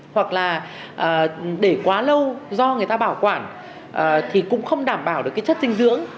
hoặc là để quá lâu do người ta bảo quản thì cũng không đảm bảo được cái chất dinh dưỡng